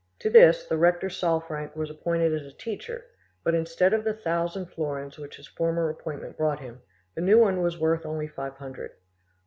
To this the rector Salfranck was appointed as a teacher, but instead of the thousand florins which his former appointment brought him, the new one was worth only five hundred.